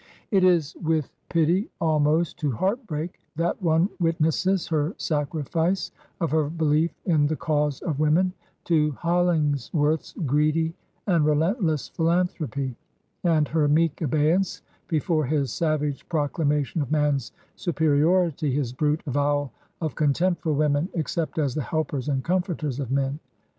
It is with pity almost to heart break that one witnesses her sacrifice of her belief in the cause of women to Hoi lingsworth's greedy and relentless philanthropy, and her meek abeyance before his savage proclamation of man's superiority, his brute avowal of contempt for women except as the helpers and comforters of men.